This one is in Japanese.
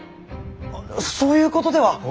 そういうことでは！